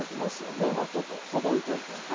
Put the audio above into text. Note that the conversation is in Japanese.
麺はちょっとほどいといてね。